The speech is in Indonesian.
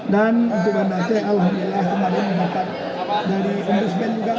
dan untuk banda aceh alhamdulillah kita dapat dari indusband juga